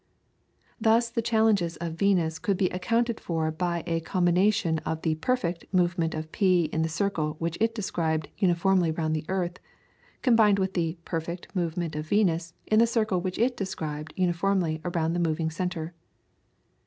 Thus the changes of Venus could be accounted for by a Combination of the "perfect" movement of P in the circle which it described uniformly round the earth, combined with the "perfect" motion of Venus in the circle which it described uniformly around the moving centre.